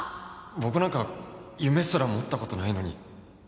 僕なんか夢すら持った事ないのに。